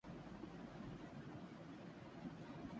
کے الیکٹرک کو اضافی بجلی گیس کی فراہمی کے قانونی تقاضے تعطل کا شکار